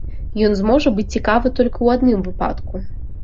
Ён зможа быць цікавы толькі ў адным выпадку.